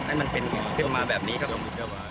ให้มันเป็นขึ้นมาแบบนี้ครับ